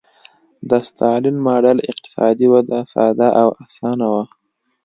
د ستالین ماډل اقتصادي وده ساده او اسانه وه